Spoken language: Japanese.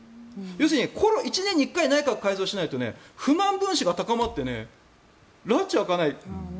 要するに１年に１回内閣を改造しないと不満分子が高まってらちが明かない。